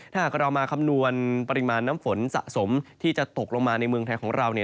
ถ้าหากเรามาคำนวณปริมาณน้ำฝนสะสมที่จะตกลงมาในเมืองไทยของเรา